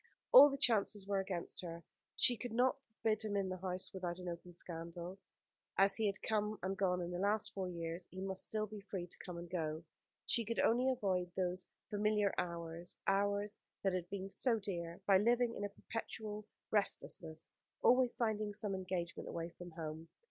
All the chances were against her. She could not forbid him the house without an open scandal. As he had come and gone in the last four years, he must still be free to come and go. She could only avoid those familiar hours hours that had been so dear by living in a perpetual restlessness, always finding some engagement away from home.